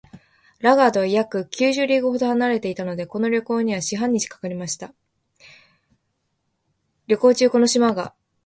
ラガードは約九十リーグほど離れていたので、この旅行には四日半かかりました。旅行中、この島が空中を進行しているような気配はちょっとも感じられない